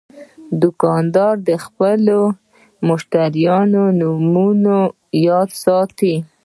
دوکاندار د خپلو مشتریانو نومونه یاد ساتي.